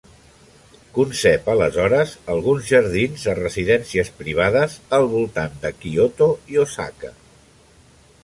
Concep aleshores alguns jardins a residències privades, al voltant de Kyoto i Osaka.